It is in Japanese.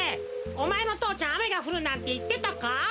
おまえのとうちゃんあめがふるなんていってたか？